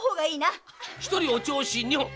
一人お銚子二本！